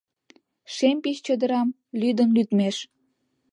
Шем пич чодырам лӱдын лӱдмеш